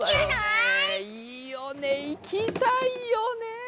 そうだよね、行きたいよね。